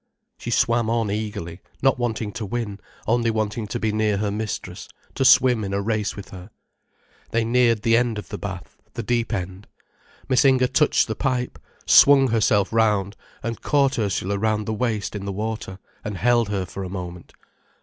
She swam on eagerly, not wanting to win, only wanting to be near her mistress, to swim in a race with her. They neared the end of the bath, the deep end. Miss Inger touched the pipe, swung herself round, and caught Ursula round the waist in the water, and held her for a moment.